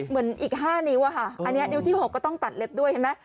เหมือนอีก๕นิ้วอะค่ะอันนี้นิ้วที่๖ก็ต้องตัดเล็บด้วยเห็นไหม